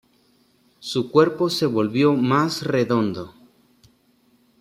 Su cuerpo se volvió más redondo.